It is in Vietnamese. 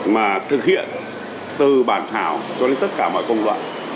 mà thực hiện từ bản thảo cho đến tất cả mọi công đoạn